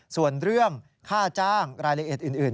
ส่วนเรื่องค่าจ้างรายละเอียดอื่น